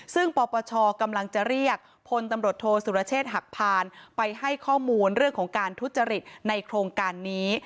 ซึ่งปปชกำลังจะเรียกพลตำรวจโทษสุรเชษฐ์หักพานไปให้ข้อมูลเรื่องของการทุจริตในโครงการนี้